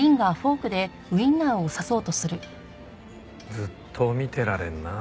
ずっと見てられるなあ。